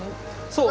そう。